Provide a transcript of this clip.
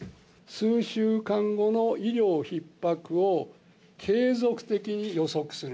数週間後の医療ひっ迫を継続的に予測する。